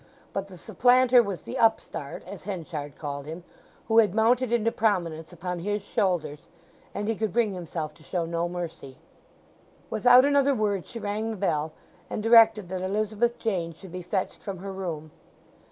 But the supplanter was the upstart (as Henchard called him) who had mounted into prominence upon his shoulders, and he could bring himself to show no mercy. Without another word she rang the bell, and directed that Elizabeth Jane should be fetched from her room.